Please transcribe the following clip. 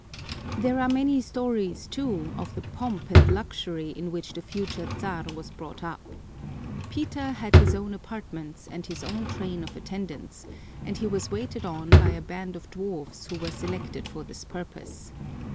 There are many stories, too, of the pomp and luxury in which the future Czar was brought up. Peter had his own apartments and his own train of attendants, and he was waited on by a band of dwarfs who were selected for this purpose.